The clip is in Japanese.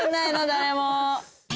誰も。